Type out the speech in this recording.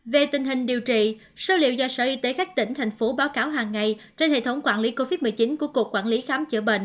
về tình hình điều trị số liệu do sở y tế các tỉnh thành phố báo cáo hàng ngày trên hệ thống quản lý covid một mươi chín của cục quản lý khám chữa bệnh